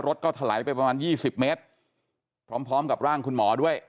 รถก็ถลายไปประมาณยี่สิบเมตรพร้อมกับร่างคุณหมอด้วย